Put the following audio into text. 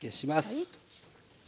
はい。